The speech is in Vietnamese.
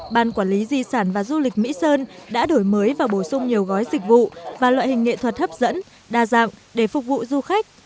ban quản lý di sản và du lịch mỹ sơn đã đổi mới và bổ sung nhiều gói dịch vụ và loại hình nghệ thuật hấp dẫn đa dạng để phục vụ du khách